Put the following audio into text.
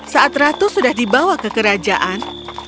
saat ratu sudah dibawa ke kerajaan